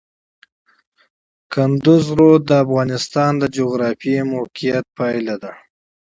کندز سیند د افغانستان د جغرافیایي موقیعت پایله ده.